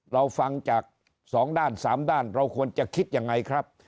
เราฟังจาก๒ด้าน๓ด้านเราควรจะคิดยังไงครับ